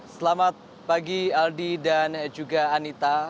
selamat pagi aldi dan juga anita